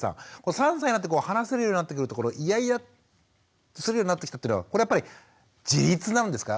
３歳になって話せるようになってくるとこのイヤイヤするようになってきたっていうのはこれはやっぱり自立なんですか？